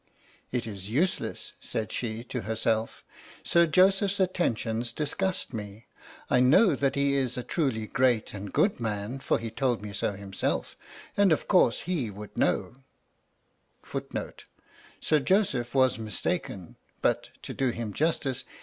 " It is useless," said she to herself; "Sir Joseph's attentions disgust me. I know that he is a truly great and good man, for he told me so himself, and of course he would know; 1 but to me he seems tedious, fretful, and dictatorial.